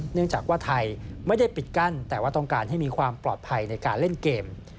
เนื่องจากว่าไทยไม่ได้ปิดกั้นแต่ว่าต้องการให้มีความปลอดภัยในการเล่นเกม